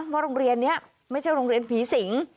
โรงเรียนนี้ไม่ใช่โรงเรียนผีสิง